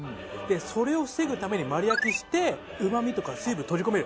それを防ぐために丸焼きしてうまみとか水分を閉じ込める